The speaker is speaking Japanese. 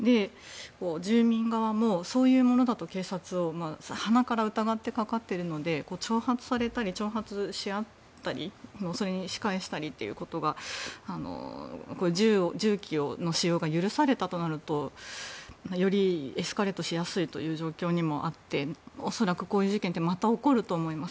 住民側もそういうものだと警察をはなから疑ってかかっているので挑発されたり挑発し合ったりそれに仕返したりということが銃器の使用が許されたとなるとよりエスカレートしやすい状況にもあって恐らくこういう事件ってまた起こると思います。